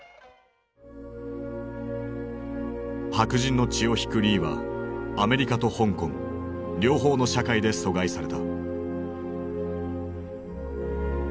白人の血を引くリーはアメリカと香港両方の社会で疎外された。